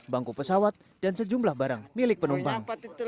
bangku pesawat dan sejumlah barang milik penumpang